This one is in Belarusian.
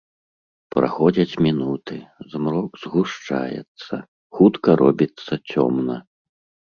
Праходзяць мінуты, змрок згушчаецца, хутка робіцца цёмна.